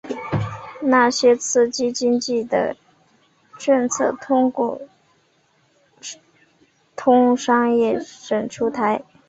那些刺激经济的政策通过通商产业省出台。